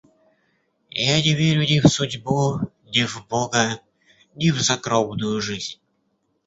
Я не верю ни в судьбу, ни в бога, ни в загробную жизнь.